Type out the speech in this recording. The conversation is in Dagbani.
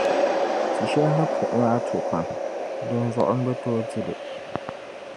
Ti shɛli ni puɣi maa to pam, di zuɣu n bi tooi dili.